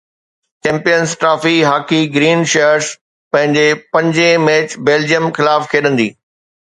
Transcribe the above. champions trophy hockey green shirts پنهنجي پنجين match Belgium خلاف کيڏندي